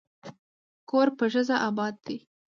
کور په ښځه اباد دی.